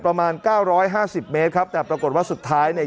ประมาณเก้าร้อยห้าสิบเมตรครับแต่ปรากฏว่าสุดท้ายเนี่ย